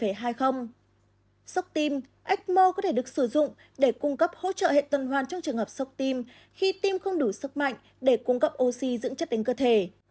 sóc tim ecmo có thể được sử dụng để cung cấp hỗ trợ hệ tân hoan trong trường hợp sóc tim khi tim không đủ sóc mạnh để cung cấp oxy dưỡng chất đến cơ thể